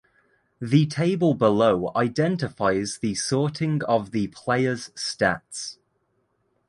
The table below identifies the sorting of the players stats.